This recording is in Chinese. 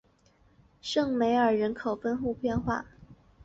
圣梅尔人口变化图示